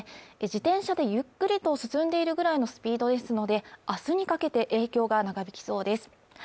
自転車でゆっくりと進んでいるぐらいのスピードですので明日にかけて影響が長引きそうです